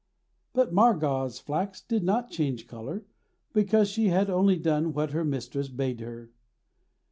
But Margad's flax did not change colour because she had only done what her mistress bade her.